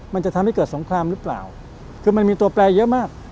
มันจะทำให้เกิดสงครามหรือเปล่าคือมันมีตัวแปลเยอะมาก